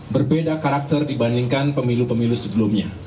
berbeda karakter dibandingkan pemilu pemilu sebelumnya